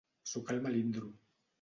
Sucar el melindro.